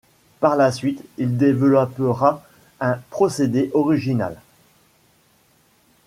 Par la suite il développera un procédé original.